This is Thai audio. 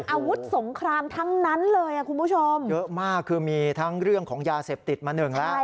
อาวุธสงครามทั้งนั้นเลยคุณผู้ชมเยอะมากคือมีทั้งเรื่องของยาเสพติดมาหนึ่งแล้ว